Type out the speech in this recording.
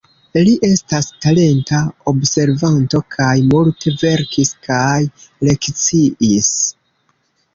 Li estas talenta observanto kaj multe verkis kaj lekciis.